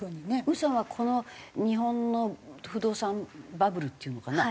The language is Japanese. ウーさんはこの日本の不動産バブルっていうのかな？